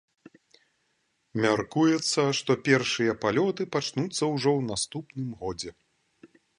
Мяркуецца, што першыя палёты пачнуцца ўжо ў наступным годзе.